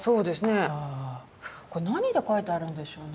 これ何で書いてあるんでしょうね。